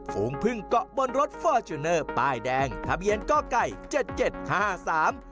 ฝูงพึ่งเกาะบนรถฟอร์จูเนอร์ป้ายแดงทะเบียนก่อไก่เจ็ดเจ็ดห้าสาม